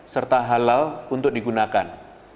serta halal untuk digunakan